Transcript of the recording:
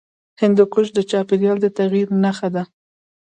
هندوکش د چاپېریال د تغیر نښه ده.